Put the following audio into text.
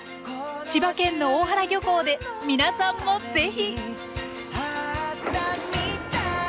千葉県の大原漁港で皆さんも是非！